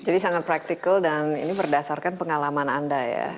jadi sangat practical dan ini berdasarkan pengalaman anda ya